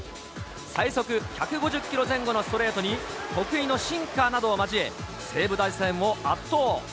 最速１５０キロ前後のストレートに、得意のシンカーなどを交え、西武打線を圧倒。